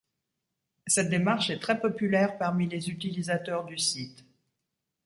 Cette démarche est très populaire parmi les utilisateurs du site.